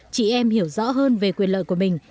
chị em hiểu rõ hơn về quyền lợi của mình